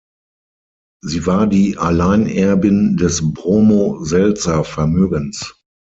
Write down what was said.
Sie war die Alleinerbin des Bromo-Seltzer-Vermögens.